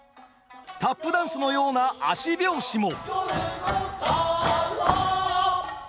タップダンスのような足拍子も。